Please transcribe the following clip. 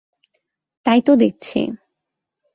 তাই তো দেখছি।